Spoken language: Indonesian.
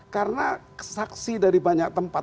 karena saksi dari banyak tempat